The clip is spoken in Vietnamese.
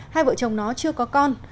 hai vợ chồng nó chưa có con